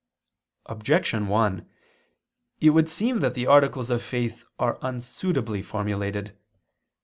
Objection 1: It would seem that the articles of faith are unsuitably formulated.